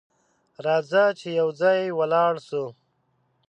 راځه چې یو ځای ولاړ سو!